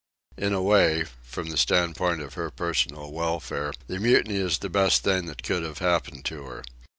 In a way, from the standpoint of her personal welfare, the mutiny is the best thing that could have happened to her.